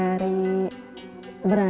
ocha seharusnya meng monsternya